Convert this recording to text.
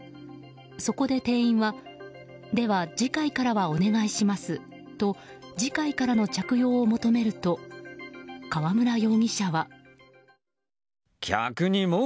そこで、店員はでは次回からはお願いしますと次回からの着用を求めると河村容疑者は。